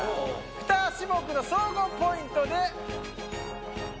２種目の総合ポイントで。